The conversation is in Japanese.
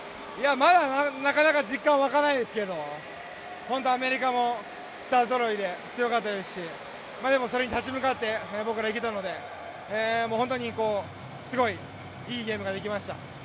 まだなかなか実感が湧かないですけど本当にアメリカもスターぞろいで強かったですしでもそれに立ち向かっていけたので本当にすごいいいゲームができました。